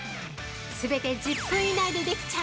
全て１０分以内でできちゃう！